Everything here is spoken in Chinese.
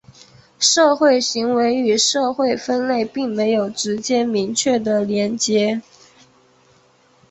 社会行为与社会分类并没有直接明确的连结。